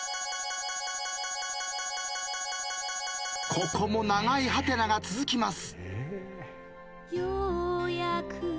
ここも長いはてなが続きます。